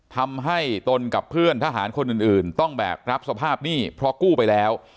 ตนกับเพื่อนทหารคนอื่นต้องแบกรับสภาพหนี้เพราะกู้ไปแล้ว